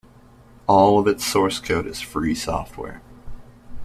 All of its source code is free software.